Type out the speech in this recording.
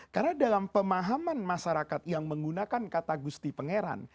karena dalam pemahaman masyarakat yang menggunakan kata gusti pengeran